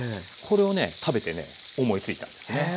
これをね食べてね思いついたんですね。